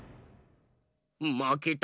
まけた。